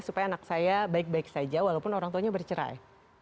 supaya anak saya baik baik saja walaupun orang tuanya bercerai